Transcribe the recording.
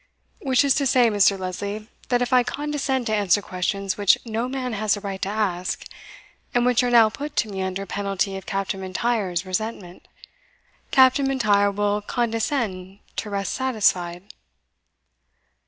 "Which is to say, Mr. Lesley, that if I condescend to answer questions which no man has a right to ask, and which are now put to me under penalty of Captain M'Intyre's resentment, Captain MIntyre will condescend to rest satisfied?